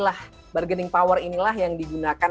nah saya kira sebenarnya bargaining power inilah yang digunakan